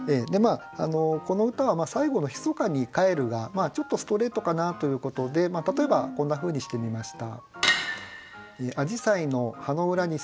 この歌は最後の「密かに帰る」がちょっとストレートかなということで例えばこんなふうにしてみました。